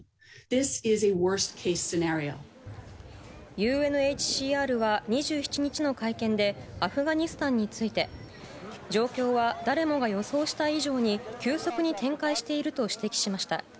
ＵＮＨＣＲは２７日の会見でアフガニスタンについて状況は誰もが予想した以上に急速に展開していると指摘しました。